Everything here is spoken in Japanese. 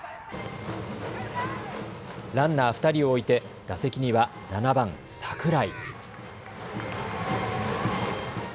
ランナー２人を置いて、打席には７番・櫻井。